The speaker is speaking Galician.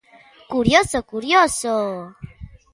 ¡Curioso, curioso!